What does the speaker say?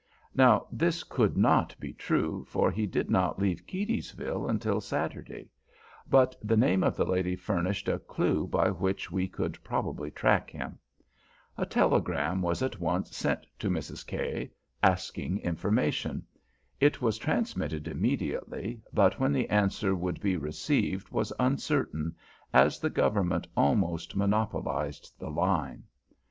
Now this could not be true, for he did not leave Keedysville until Saturday; but the name of the lady furnished a clew by which we could probably track him. A telegram was at once sent to Mrs. K_______, asking information. It was transmitted immediately, but when the answer would be received was uncertain, as the Government almost monopolized the line.